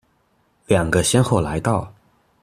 兩個先後來到